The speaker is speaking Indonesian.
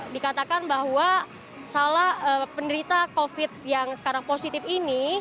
dikatakan bahwa salah penderita covid yang sekarang positif ini